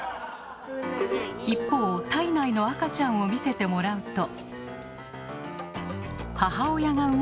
一方胎内の赤ちゃんを見せてもらうと。